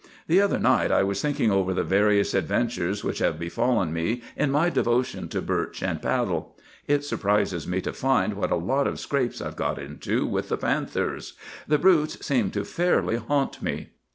The other night I was thinking over the various adventures which have befallen me in my devotion to birch and paddle. It surprises me to find what a lot of scrapes I've got into with the panthers. The brutes seem to fairly haunt me.